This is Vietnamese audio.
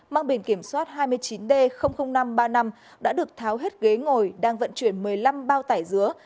mang biển kiểm soát hai mươi chín d năm trăm ba mươi năm đã được tháo hết ghế ngồi đang vận chuyển một mươi năm bao tải dứa